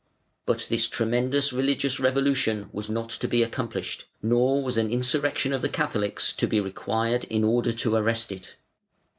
But this tremendous religious revolution was not to be accomplished, nor was an insurrection of the Catholics to be required in order to arrest it.